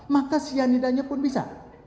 maka cyanidanya pun bisa